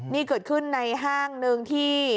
นี่เกิดขึ้นในห้างหนึ่งที่